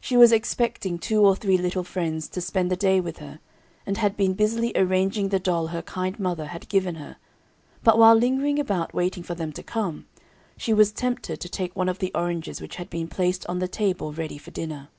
She was expecting two or three little friends to spend the day with her, and had been busily arranging the doll her kind mother had given her; but while lingering about, waiting for them to come, she was tempted to take one of the oranges which had been placed on the table ready for dinner.